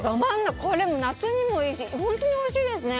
これ、夏にもいいし本当においしいですね。